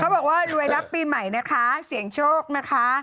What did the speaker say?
บอกว่ารวยรับปีใหม่นะคะเสี่ยงโชคนะคะ